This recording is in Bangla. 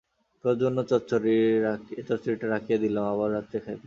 তোর জন্য চচ্চড়িটা রাখিয়া দিলাম, আবার রাত্রে খাইবি।